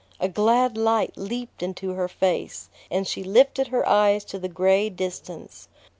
A glad light leaped into her face, and she lifted her eyes to the gray distance.